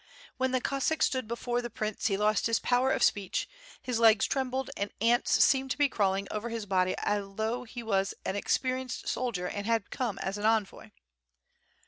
When the Cossack stood before the prince he lost his power of speech, his legs trembled, and ants seemed to be crawling over his body" although he was an experienced soldier and bad come as an envoy.